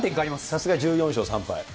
さすが１４勝３敗。